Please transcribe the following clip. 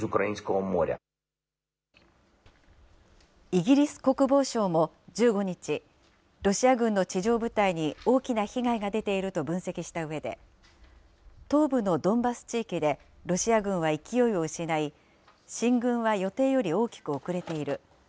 イギリス国防省も、１５日、ロシア軍の地上部隊に大きな被害が出ていると分析したうえで、東部のドンバス地域でロシア軍は勢いを失い、進軍は予定より大きく遅れている。